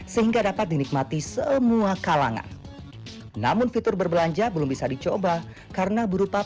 sehingga dapat dinikmati semua kalangan namun fitur berbelanja belum bisa dicoba karena berupa